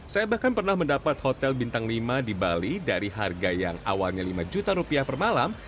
saya bahkan pernah mendapat hotel bintang lima di bali dari harga yang awalnya lima juta rupiah per malam